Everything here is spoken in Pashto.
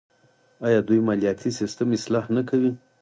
آیا دوی مالیاتي سیستم اصلاح نه کوي؟